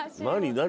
何？